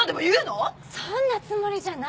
そんなつもりじゃないわ！